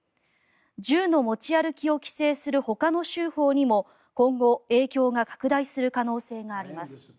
銃の持ち歩きを規制するほかの州法にも今後、影響が拡大する可能性があります。